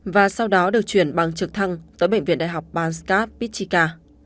và sau đó được chuyển bằng trực thăng tới bệnh viện đại học banská pichika